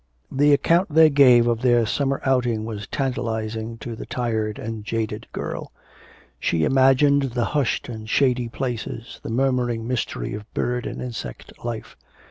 The account they gave of their summer outing was tantalising to the tired and jaded girl. She imagined the hushed and shady places, the murmuring mystery of bird and insect life.